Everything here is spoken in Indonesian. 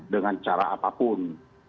dengan cara apapun